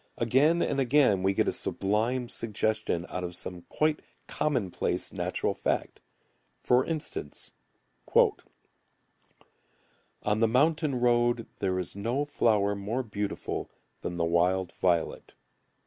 Again and again we get a sublime suggestion out of some quite commonplace natural fact. For instance: "On the mountain road There is no flower more beautiful Than the wild violet."